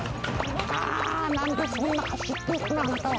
なんでそんな走っていくの、あなたは。